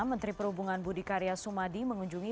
menteri perhubungan budi karya sumadi mengunjungi